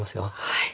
はい。